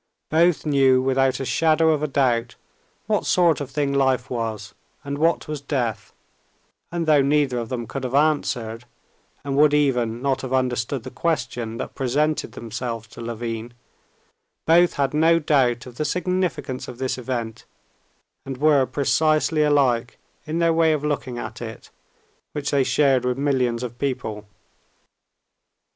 Both knew, without a shade of doubt, what sort of thing life was and what was death, and though neither of them could have answered, and would even not have understood the questions that presented themselves to Levin, both had no doubt of the significance of this event, and were precisely alike in their way of looking at it, which they shared with millions of people.